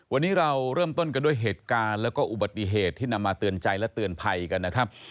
วันนี้เราเริ่มต้นกันด้วยเหตุการณ์แล้วก็อุบัติเหตุที่นำมาเตือนใจและเตือนภัยกันนะครับ